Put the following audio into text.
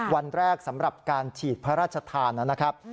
วันแรกสำหรับการฉีดพระราชทานนะครับ